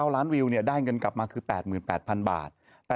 ล้านวิวได้เงินกลับมาคือ๘๘๐๐๐บาท